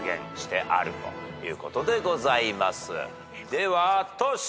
ではトシ。